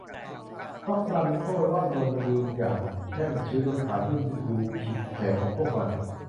ฝูงนกฟลามิงโก้ร่อนลงยืนอย่างแช่มชื่นบนขาที่ดูผิดแผกของพวกมัน